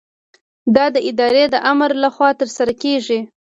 دا د ادارې د آمر له خوا ترسره کیږي.